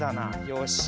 よし。